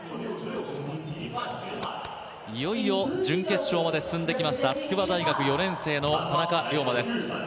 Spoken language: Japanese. いよいよ準決勝まで進んできました筑波大学４年生の田中龍馬です。